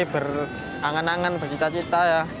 berangan angan berciita ciita ya